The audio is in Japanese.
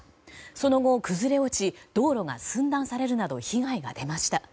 その後、崩れ落ち道路が寸断されるなど被害が出ました。